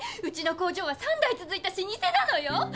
うちの工場は３代続いたしにせなのよ！